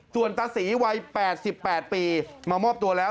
ส่วนตาศรีวัย๘๘ปีมามอบตัวแล้ว